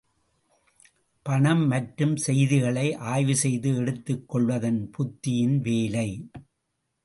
மனம் பற்றும் செய்திகளை ஆய்வு செய்து எடுத்துக் கொள்வதுதான் புத்தியின் வேலை.